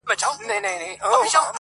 o چي له عقله یې جواب غواړم ساده یم,